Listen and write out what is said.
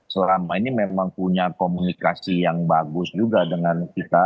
selama ini memang punya komunikasi yang bagus juga dengan kita